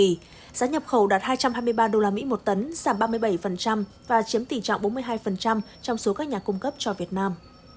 giá nhập khẩu đạt hai trăm hai mươi ba usd một tấn giảm ba mươi bảy và chiếm tỷ trọng bốn mươi hai trong số các nhà cung cấp cho việt nam